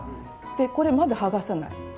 これまだ剥がさない。